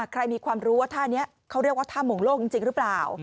ใครมีความรู้ว่าท่านี้เขาเรียกว่าท่ามงโลกจริงหรือเปล่า